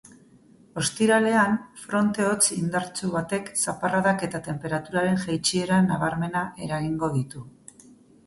Ostiralean, fronte hotz indartsu batek zaparradak eta tenperaturaren jaitsiera nabarmena eragingo ditu.